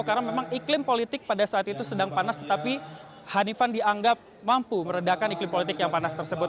karena memang iklim politik pada saat itu sedang panas tetapi hanifan dianggap mampu meredakan iklim politik yang panas tersebut